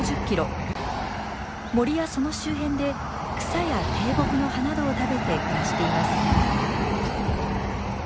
森やその周辺で草や低木の葉などを食べて暮らしています。